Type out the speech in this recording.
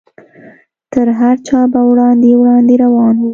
تر هر چا به وړاندې وړاندې روان و.